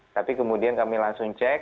tapi kemudian kami langsung cek